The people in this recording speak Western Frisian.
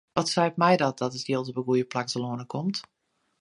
Wa seit my dat it jild op it goede plak telâne komt?